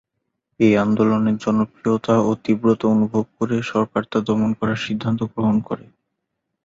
এ আন্দোলনের জনপ্রিয়তা ও তীব্রতা অনুভব করে সরকার তা দমন করার সিদ্ধান্ত গ্রহণ করে।